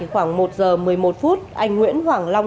khoảng một giờ một mươi một phút anh nguyễn hoàng long